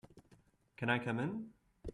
Can I come in?